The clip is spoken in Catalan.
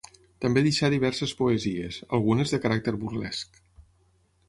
També deixà diverses poesies, algunes de caràcter burlesc.